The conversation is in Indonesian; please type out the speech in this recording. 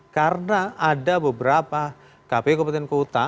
karena ada beberapa kpu kabupaten kota